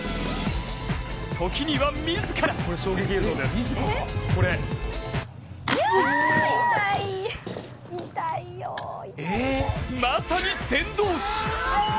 時には自らまさに伝道師。